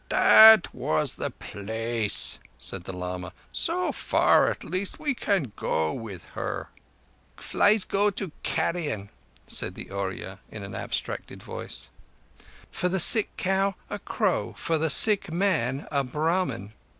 "That was the place," said the lama. "So far, at least, we can go with her." "Flies go to carrion," said the Oorya, in an abstracted voice. "For the sick cow a crow; for the sick man a Brahmin."